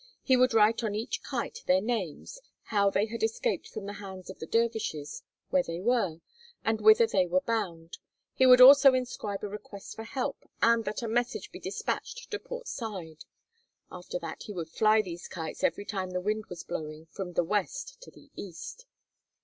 He would write on each kite their names, how they had escaped from the hands of the dervishes, where they were, and whither they were bound. He would also inscribe a request for help and that a message be despatched to Port Said. After that he would fly these kites every time the wind was blowing from the west to the east.